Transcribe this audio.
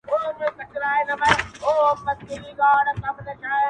• د خنجر عکس به يوسي -